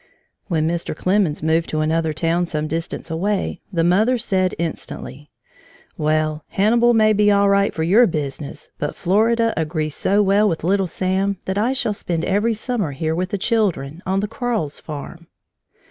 When Mr. Clemens moved to another town some distance away, the mother said instantly: "Well, Hannibal may be all right for your business, but Florida agrees so well with little Sam, that I shall spend every summer here with the children, on the Quarles farm."